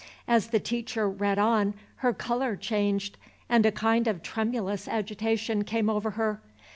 As the teacher read on, her color changed, and a kind of tremulous agitation came over her.